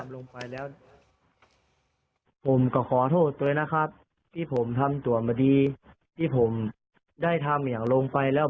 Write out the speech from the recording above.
ลงไปแล้วผมก็ขอโทษเลยนะครับที่ผมทำตรวจมาดีที่ผมได้ทำอย่างลงไปแล้ว